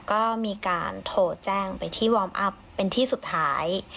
ก็มีการโทรแจ้งไปที่วอร์มอัพเป็นที่สุดท้าย